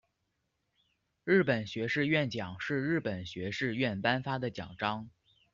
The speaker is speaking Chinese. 日本学士院奖是日本学士院颁发的奖章。